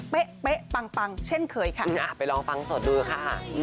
เพ๊ะปลางเช่นเคยค่ะน้าไปลองฟังตรงดูฮะ